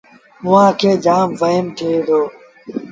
اُئآݩ کي جآم وهيم ٿئي دو